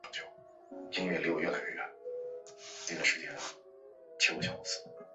党徽由台湾知名设计师萧文平设计。